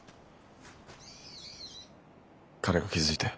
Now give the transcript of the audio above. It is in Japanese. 彼が気付いて。